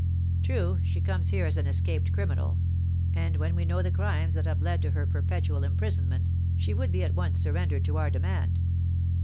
"True, she comes here as an escaped criminal, and when we know the crimes that have led to her perpetual imprisonment, she would be at once surrendered to our demand."